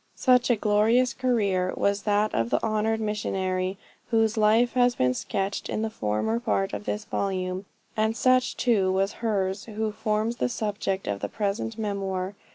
Such a 'glorious career' was that of the honored missionary whose life has been sketched in the former part of this volume; and such too was hers who forms the subject of the present memoir.